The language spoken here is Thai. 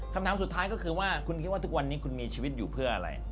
คำถามสุดท้ายก็คือว่าคุณคิดว่าทุกวันนี้คุณมีชีวิตอยู่เพื่ออะไร